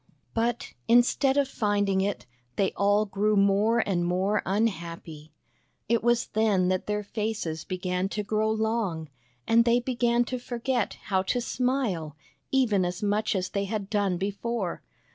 But, instead of finding it, they all grew more and more unhappy. It was then that their faces began to grow long, and they began to forget how to smile even as much as they had done before.